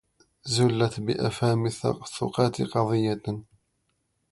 زلت بأفهام الثقات قضية